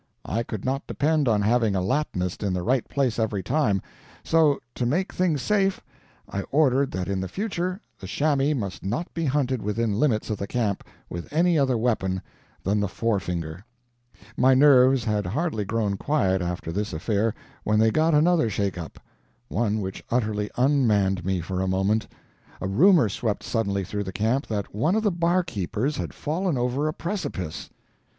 I could not depend on having a Latinist in the right place every time; so, to make things safe, I ordered that in the future the chamois must not be hunted within limits of the camp with any other weapon than the forefinger. My nerves had hardly grown quiet after this affair when they got another shake up one which utterly unmanned me for a moment: a rumor swept suddenly through the camp that one of the barkeepers had fallen over a precipice!